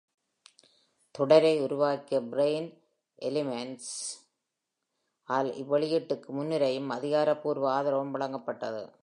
தொடரை உருவாக்கிய Brian Clemens-ஆல் இவ்வெளியீட்டுக்கு முன்னுரையும் அதிகாரப்பூர்வ ஆதரவும் வழங்கப்பட்டது.